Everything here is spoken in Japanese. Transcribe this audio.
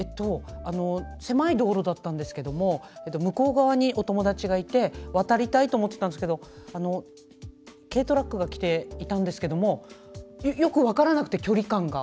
狭い道路だったんですけど向こう側にお友達がいて渡りたいと思っていたんですが軽トラックが来ていたんですがよく分からなくて、距離感が。